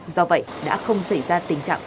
do vậy đã không xảy ra tình trạng